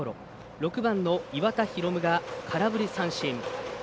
６番の岩田宏夢が空振り三振。